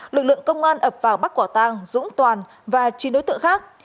lực lượng công an ập vào bắt quả tàng dũng toàn và chín đối tượng khác